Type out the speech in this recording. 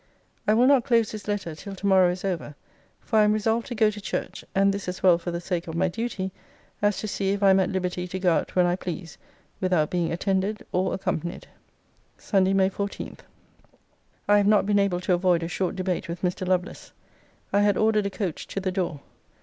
I will not close this letter till to morrow is over; for I am resolved to go to church; and this as well for the sake of my duty, as to see if I am at liberty to go out when I please without being attended or accompanied. SUNDAY, MAY 14. I have not been able to avoid a short debate with Mr. Lovelace. I had ordered a coach to the door.